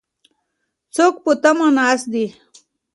څوک په تمه ناست دي؟